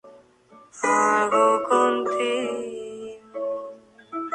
Las alas acuáticas podían ser infladas mediante una válvula.